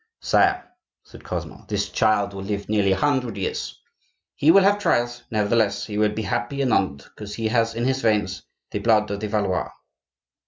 "Sire," said Cosmo, "this child will live nearly a hundred years; he will have trials; nevertheless, he will be happy and honored, because he has in his veins the blood of the Valois."